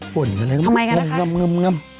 ทำไมกันนะคะ